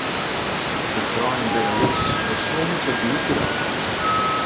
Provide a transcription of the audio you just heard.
De treinen binne lyts, de stuollen sitte net geweldich.